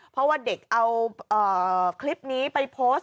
เพราะว่าเด็กเอาคลิปนี้ไปโพสต์